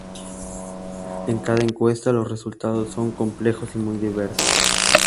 En cada encuesta, los resultados son complejos y muy diversos.